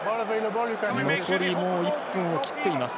残り１分を切っています。